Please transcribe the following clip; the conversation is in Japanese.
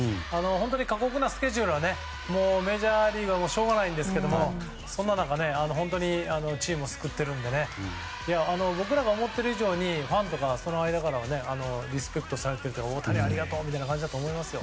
本当に過酷なスケジュールはメジャーリーグはしょうがないですがそんな中チームを救っているので僕らが思っている以上にファンとかからリスペクトされていて大谷ありがとうみたいな感じだと思いますよ。